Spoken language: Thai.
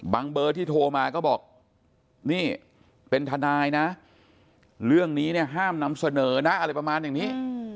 เบอร์ที่โทรมาก็บอกนี่เป็นทนายนะเรื่องนี้เนี่ยห้ามนำเสนอนะอะไรประมาณอย่างนี้